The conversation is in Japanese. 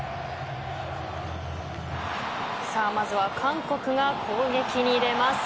さあ、まずは韓国が攻撃に出ます。